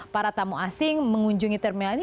para tamu asing mengunjungi terminal ini